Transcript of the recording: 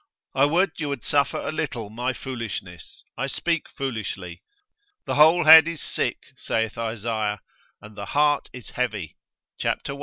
I would you would suffer a little my foolishness, I speak foolishly. The whole head is sick, saith Esay, and the heart is heavy, cap. i.